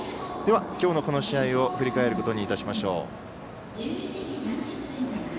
では、きょうのこの試合を振り返ることにいたしましょう。